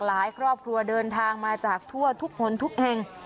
ครอบครัวเดินทางมาจากทั่วทุกคนทุกแห่ง